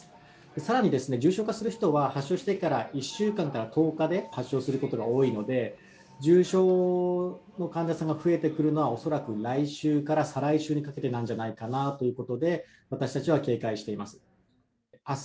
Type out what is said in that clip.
さらに重症化する人は、発症してから１週間から１０日で発症することが多いので、重症の患者さんが増えてくるのは、恐らく来週から再来週にかけてなんじゃないかなということで、私たちは警戒しています。